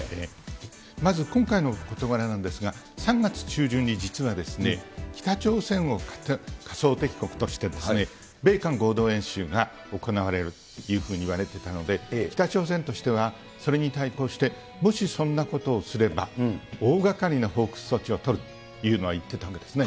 まず今回の事柄なんですが、３月中旬に実はですね、北朝鮮を仮想敵国として、米韓合同演習が行われるというふうにいわれていたので、北朝鮮としてはそれに対抗してもしそんなことをすれば、大がかりな報復措置を取るというようなことは言ってたわけですね。